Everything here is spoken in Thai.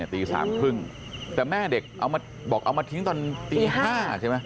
ตี๓๓๐แต่แม่เด็กเอามาบอกเอามาทิ้งตอนตี๕ใช่ไหม